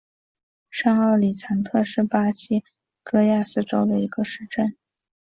上奥里藏特是巴西戈亚斯州的一个市镇。